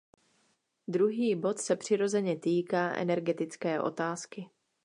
Druhý bod se přirozeně týká energetické otázky.